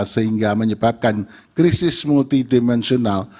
sehingga menyebabkan krisis multidimensional